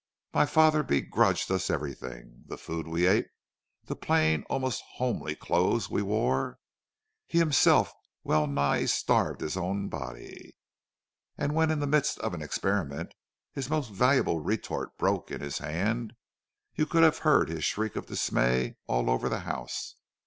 My father begrudged us everything: the food we ate; the plain, almost homely, clothes we wore. He himself wellnigh starved his own body, and when in the midst of an experiment, his most valuable retort broke in his hand, you could have heard his shriek of dismay all over the house.